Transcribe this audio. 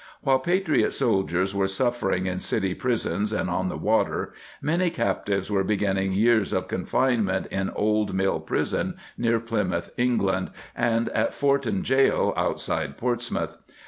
While patriot soldiers were suffering in city prisons and on the water many captives were be ginning years of confinement in Old Mill prison near Plymouth, England, and at Forton Gaol, outside Portsmouth.